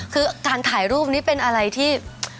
คือการถ่ายรูปนี้เป็นอะไรที่